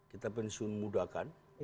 kita pensiun muda kan